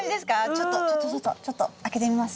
ちょっとちょっとちょっとちょっと開けてみます。